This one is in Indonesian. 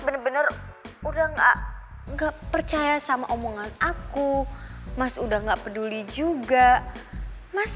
bener bener udah enggak enggak percaya sama omongan aku mas udah nggak peduli juga mas